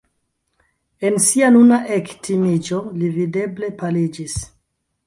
En sia nuna ektimiĝo li videble paliĝis.